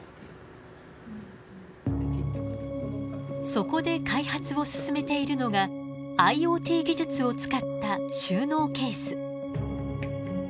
そこで開発を進めているのがＩｏＴ技術を使った収納ケース。